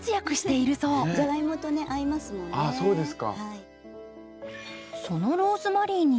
あそうですか。